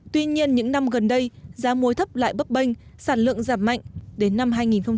tuy nhiên những năm gần đây giá muối thấp lại bấp bênh sản lượng giảm mạnh đến năm hai nghìn hai mươi